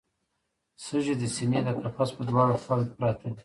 سږي د سینې د قفس په دواړو خواوو کې پراته دي